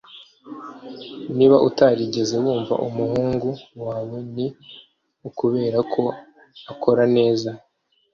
Niba utarigeze wumva umuhungu wawe ni ukubera ko akora neza